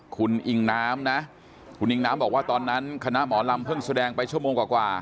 คุณอิงน้ำนะคุณอิงน้ำบอกว่าตอนนั้นคณะหมอลำเพิ่งแสดงไปชั่วโมงกว่า